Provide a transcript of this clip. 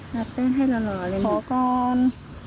ขอกอน